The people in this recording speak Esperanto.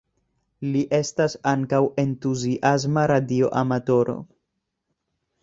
Li estas ankaŭ entuziasma radio amatoro.